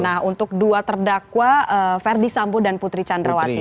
nah untuk dua terdakwa ferdisabu dan putri candrawati